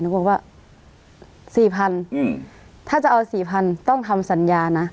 นึกว่าสี่พันอืมถ้าจะเอาสี่พันต้องทำสัญญานะ